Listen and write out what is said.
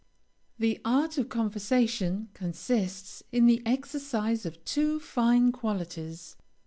The art of conversation consists in the exercise of two fine qualities.